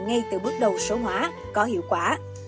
ngay từ bước đầu số hóa có hiệu quả